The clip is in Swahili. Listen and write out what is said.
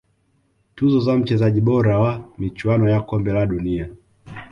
tuzo ya mchezaji bora wa michuano ya kombe la dunia